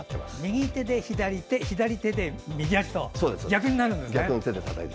右手で左脚、左手で右脚と逆になるんですね。